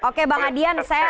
oke bang adian